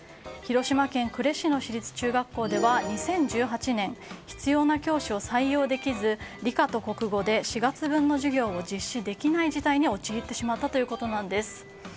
広島県呉市の市立中学校では２０１８年必要な教師を採用できず理科と国語で４月分の授業を実施でない事態に陥ってしまったということです。